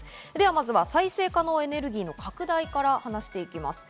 まずは再生可能エネルギーの拡大から話していきます。